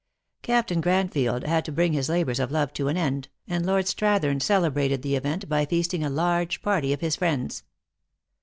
Captain Cranfield had to bring his labors of love to an end, and Lord Strathern celebrated the event by feasting a large party of his friends.